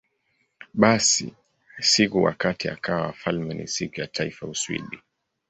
Basi, siku wakati akawa wafalme ni Siku ya Taifa ya Uswidi.